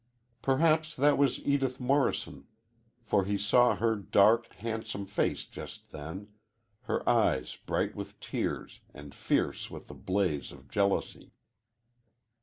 Perhaps that was Edith Morrison, for he saw her dark, handsome face just then, her eyes bright with tears and fierce with the blaze of jealousy.